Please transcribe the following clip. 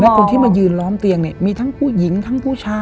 คนที่มายืนล้อมเตียงเนี่ยมีทั้งผู้หญิงทั้งผู้ชาย